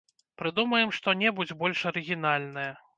Прыдумаем што-небудзь больш арыгінальнае.